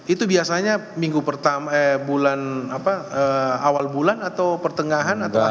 itu biasanya minggu awal bulan atau pertengahan atau apa